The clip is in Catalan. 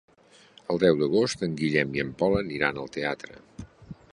El deu d'agost en Guillem i en Pol aniran al teatre.